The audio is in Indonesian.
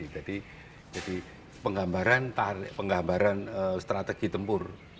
jadi penggambaran strategi tempur